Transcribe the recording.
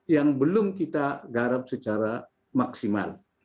yang belum kita garap secara maksimal